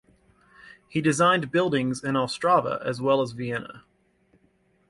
He designed buildings in Ostrava as well as Vienna.